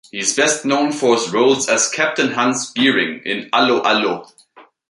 He is best known for his roles as Captain Hans Geering in 'Allo 'Allo!